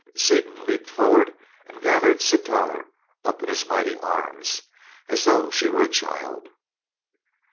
Seaton leaped forward and gathered Sitar up in his mighty arms as though she were a child.